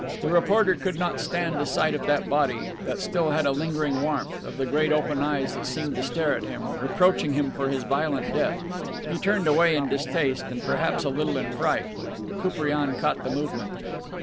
The reporter could not stand the sight of that body, that still had a lingering warmth, of the great open eyes that seemed to stare at him, reproaching him for this violent death. He turned away in distaste, and perhaps a little in fright. Koupriane caught the movement.